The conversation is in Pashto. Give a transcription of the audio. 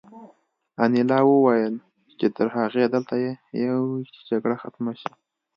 انیلا وویل چې تر هغې دلته یو چې جګړه ختمه شي